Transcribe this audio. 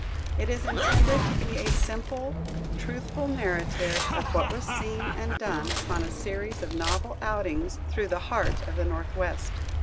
It is intended to be a simple, truthful narrative of what was seen and done upon a series of novel outings through the heart of the Northwest.